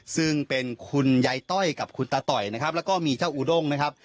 ซึ่งเป็นคุณยายต้อยกับคุณตาต่อยนะครับแล้วก็มีเจ้าอูด้งนะครับ